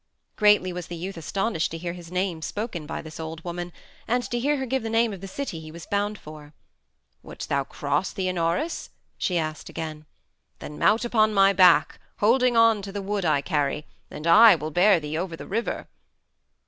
Greatly was the youth astonished to hear his name spoken by this old woman, and to hear her give the name of the city he was bound for. "Wouldst thou cross the Anaurus?" she asked again. "Then mount upon my back, holding on to the wood I carry, and I will bear thee over the river."